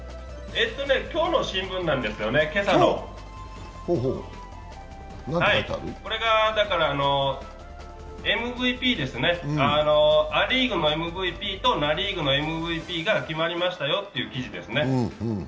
今日の新聞なんです、今朝のこれがＭＶＰですね、ア・リーグのＭＶＰとナ・リーグのＭＶＰが決まりましたよという記事ですね。